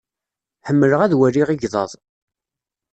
Ḥemmleɣ ad waliɣ igḍaḍ.